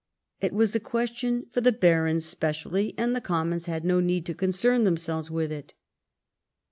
It was a question for the barons specially, and the commons had no need to concern themselves with it.